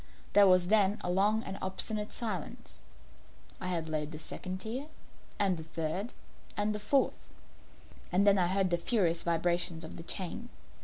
There was then a long and obstinate silence. I laid the second tier, and the third, and the fourth; and then I heard the furious vibrations of the chain.